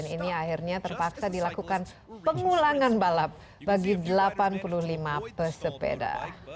dan ini akhirnya terpaksa dilakukan pengulangan balap bagi delapan puluh lima pesepeda